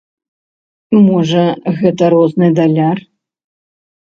Можа, гэта розны даляр.